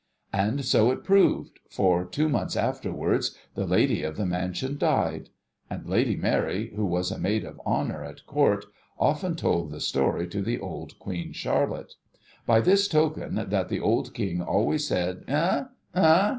And so it proved, for, two months afterwards, the Lady of the mansion died. And Lady Mary, who was a Maid of Honour at Court, often told this story to the old Queen Charlotte; by this token that the old King always said, * Eh, eh